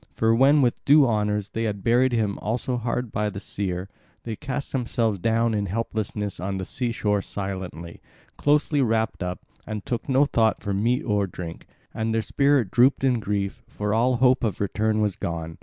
For when with due honours they had buried him also hard by the seer, they cast themselves down in helplessness on the sea shore silently, closely wrapped up, and took no thought for meat or drink; and their spirit drooped in grief, for all hope of return was gone.